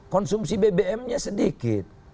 konsumsi bbmnya sedikit